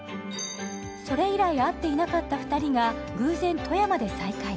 それ以来会っていなかった２人が偶然富山で再会。